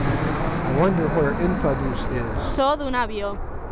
I wonder where Infadoos is.